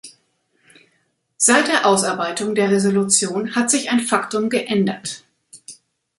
Seit der Ausarbeitung der Resolution hat sich ein Faktum geändert.